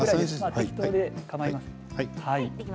適当でかまいません。